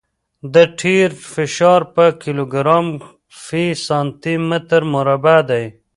د ټیر فشار په کیلوګرام فی سانتي متر مربع دی